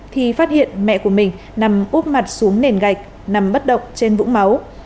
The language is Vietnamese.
thì phát hiện mẹ của mình nằm úp mặt xuống nền gạch nằm bất động trên vũng máu